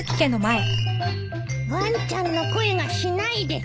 ワンちゃんの声がしないです。